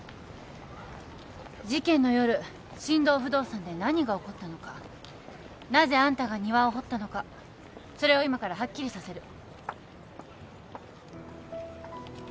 事件の夜進藤不動産で何が起こったのかなぜあんたが庭を掘ったのかそれを今からはっきりさせる。